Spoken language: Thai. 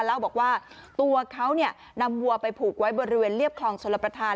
เล่าบอกว่าตัวเขานำวัวไปผูกไว้บริเวณเรียบคลองชลประธาน